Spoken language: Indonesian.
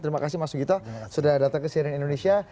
terima kasih mas sugito sudah datang ke cnn indonesia